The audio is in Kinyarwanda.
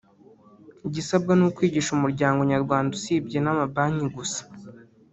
igisabwa ni ukwigisha umuryango nyarwanda usibye n’amabanki gusa